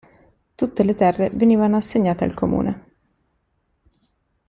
Tutte le terre venivano assegnate al comune.